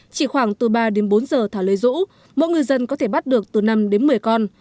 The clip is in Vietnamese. chỉ khoảng từ ba đến bốn giờ thả lê rũ mỗi ngư dân có thể bắt được từ năm đến một mươi con